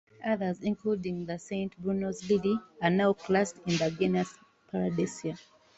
Others, including the Saint Bruno's Lily, are now classed in the genus "Paradisea".